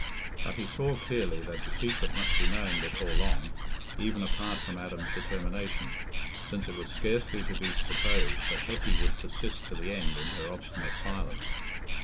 But he saw clearly that the secret must be known before long, even apart from Adam's determination, since it was scarcely to be supposed that Hetty would persist to the end in her obstinate silence.